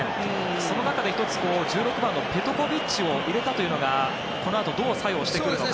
その中で１つ、１６番のペトコビッチを入れたというのがこのあと、どう作用してくるか。